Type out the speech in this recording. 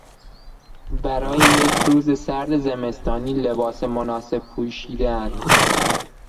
برای یک روز سرد زمستانی لباس مناسب پوشیدن